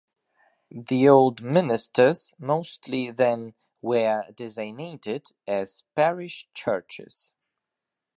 The "old minsters" mostly then were designated as parish churches.